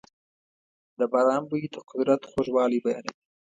د باران بوی د قدرت خوږوالی بیانوي.